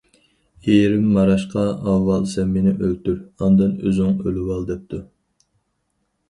ئىرىم ماراشقا:« ئاۋۋال سەن مېنى ئۆلتۈر، ئاندىن ئۆزۈڭ ئۆلۈۋال!» دەپتۇ.